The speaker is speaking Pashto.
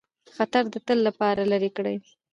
خطر د تل لپاره لیري کړ.